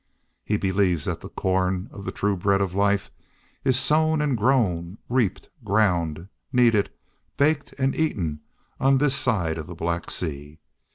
He believes that the corn of the true bread of life is sown and grown, reaped, ground, kneaded, baked and eaten on this side of the Black Sea.